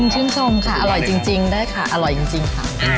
ชื่นชมค่ะอร่อยจริงได้ค่ะอร่อยจริงค่ะ